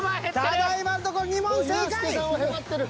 ただいまのところ２問正解。